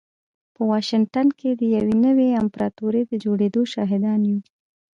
په واشنګټن کې د يوې نوې امپراتورۍ د جوړېدو شاهدان يو.